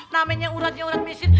namanya uratnya urat miskin